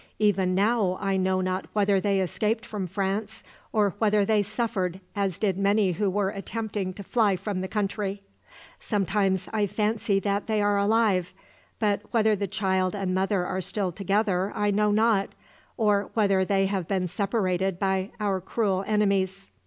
Even now I know not whether they escaped from France, or whether they suffered as did many who were attempting to fly from the country. Sometimes I fancy that they are alive, but whether the child and mother are still together I know not, or whether they have been separated by our cruel enemies.